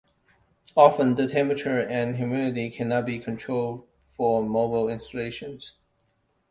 Often the temperature and humidity cannot be controlled for mobile installations.